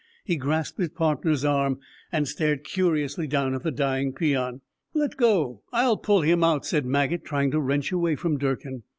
He grasped his partner's arm and stared curiously down at the dying peon. "Let go, I'll pull him out," said Maget, trying to wrench away from Durkin.